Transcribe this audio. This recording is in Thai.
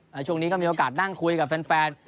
แล้วช่วงนี้ก็มีโอกาสนั่งคุยกับแฟน